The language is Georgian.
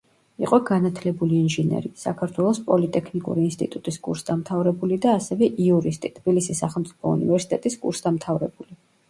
იყო განათლებული ინჟინერი, საქართველოს პოლიტექნიკური ინსტიტუტის კურსდამთავრებული და ასევე იურისტი, თბილისის სახელმწიფო უნივერსიტეტის კურსდამთავრებული.